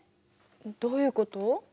どういうこと？